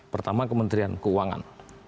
pertama kementerian keuangan